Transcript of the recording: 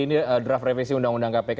ini draft revisi undang undang kpk